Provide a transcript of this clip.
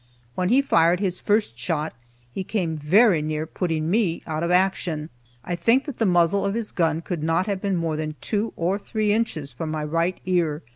When he fired his first shot, he came very near putting me out of action. I think that the muzzle of his gun could not have been more than two or three inches from my right ear.